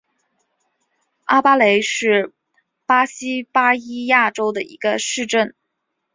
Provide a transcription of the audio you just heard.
阿巴雷是巴西巴伊亚州的一个市镇。